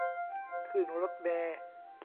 ขึ้นรถเมล์